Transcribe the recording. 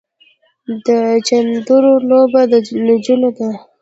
د چيندرو لوبه د نجونو ده.